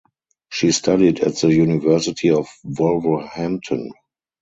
She studied at the University of Wolverhampton.